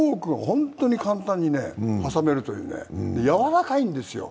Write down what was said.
本当に簡単に挟めるというね、やわらかいんですよ。